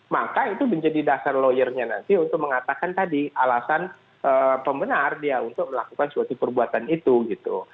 maka itu menjadi dasar lawyernya nanti untuk mengatakan tadi alasan pembenar dia untuk melakukan suatu perbuatan itu gitu